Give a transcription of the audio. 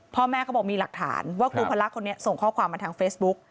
เขาบอกมีหลักฐานว่าครูพระคนนี้ส่งข้อความมาทางเฟซบุ๊ก